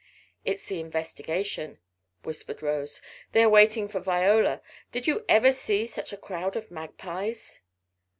"It's the investigation!" whispered Rose. "They are waiting for Viola; did you ever see such a crowd of magpies."